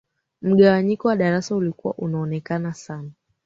mgawanyiko wa darasa ulikuwa unaonekana sana